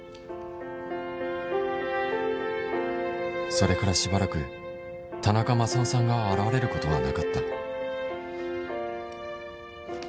それからしばらく田中マサオさんが現れる事はなかった